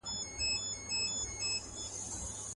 چوپه خوله سو له هغې ورځي ګونګی سو.